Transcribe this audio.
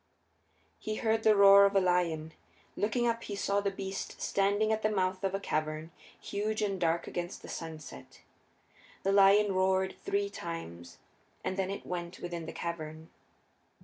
He heard the roar of the lion. Looking up he saw the beast standing at the mouth of a cavern, huge and dark against the sunset. The lion roared three times, and then it went within the cavern.